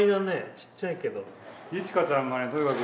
ちっちゃいけど。